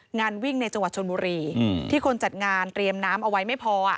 งานวิ่งในจังหวัดชนบุรีที่คนจัดงานเตรียมน้ำเอาไว้ไม่พอ